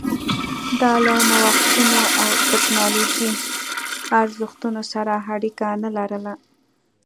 دا له نوښتونو او ټکنالوژۍ ارزښتونو سره اړیکه نه لرله